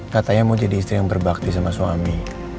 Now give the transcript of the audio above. katanya mau jadi istri yang berbakti sama suami